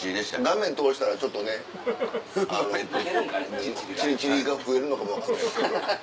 画面通したらちょっとねチリチリが増えるのかも分かんない。